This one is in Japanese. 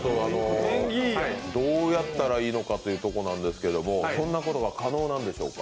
どうやったらいいのかというところなんですけどそんなことが可能なんでしょうか？